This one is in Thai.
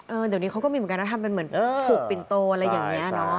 เดี๋ยวนี้เขาก็มีเหมือนกันนะทำเป็นเหมือนผูกปิ่นโตอะไรอย่างนี้เนอะ